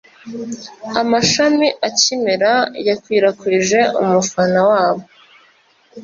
Amashami akimera yakwirakwije umufana wabo